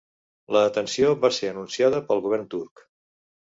La detenció va ser anunciada pel govern turc.